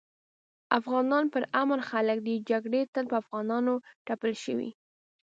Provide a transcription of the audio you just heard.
افغانان پر امن خلک دي جګړي تل په افغانانو تپل شوي